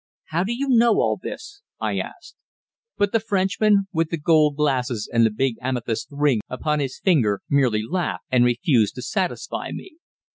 "How do you know all this?" I asked. But the Frenchman with the gold glasses and the big amethyst ring upon his finger merely laughed, and refused to satisfy me.